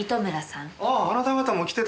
あああなた方も来てたんですか。